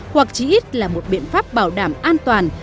hoặc chỉ ít là một biện pháp bảo đảm an toàn